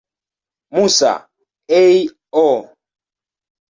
Musa, A. O.